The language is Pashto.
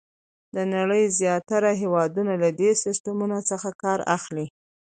د نړۍ زیاتره هېوادونه له دې سیسټمونو څخه کار اخلي.